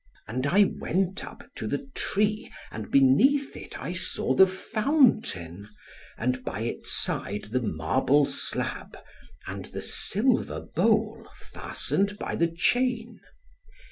And I went up to the tree, and beneath it I saw the fountain, and by its side the marble slab; and the silver bowl, fastened by the chain.